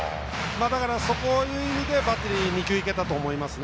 そういう意味でバッテリー２球見てたと思います。